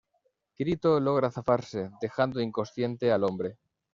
Kirito logra zafarse, dejando inconsciente al hombre.